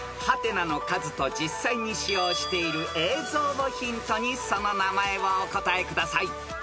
［「？」の数と実際に使用している映像をヒントにその名前をお答えください］